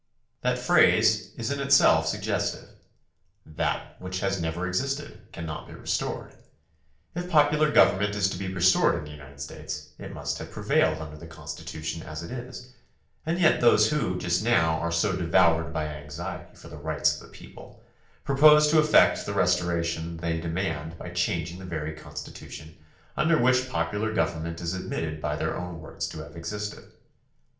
That phrase is in itself suggestive. That which has never existed cannot be restored. If popular govern THE CONSTITUTION AND ITS MAKERS 43 ment is to be restored in the United States it must have prevailed under the Constitution as it is, and yet those who, just now, are so devoured by anxiety for the rights of the people, propose to effect the restora tion they demand by changing the very Constitution under which popular government is admitted by their own words to have existed.